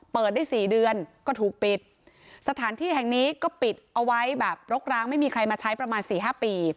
ได้สี่เดือนก็ถูกปิดสถานที่แห่งนี้ก็ปิดเอาไว้แบบรกร้างไม่มีใครมาใช้ประมาณสี่ห้าปี